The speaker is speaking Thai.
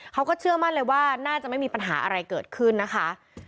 เขาก็เชื่อมั่นเลยว่าน่าจะไม่มีปัญหาอะไรเกิดขึ้นนะคะ